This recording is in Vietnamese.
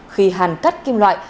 khi hàn cắt kim loại